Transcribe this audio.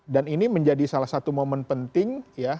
dan ini menjadi salah satu momen penting ya